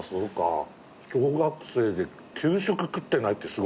小学生で給食食ってないってすごいな。